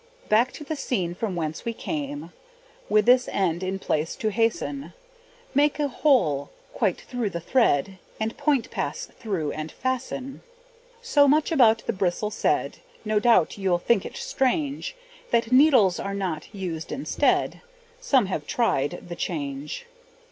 Back to the scene from whence we came, With our end in place to hasten, Make a hole quite through the thread, The point pass through and fasten. So much about the bristle said, No doubt you'll think it strange That needles are not used instead Some have tried the change.